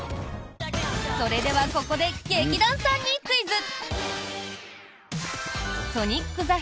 それではここで劇団さんにクイズ。